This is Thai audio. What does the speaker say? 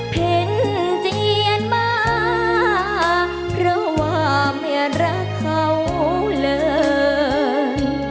เห็นเจียนมาเพราะว่าไม่รักเขาเลย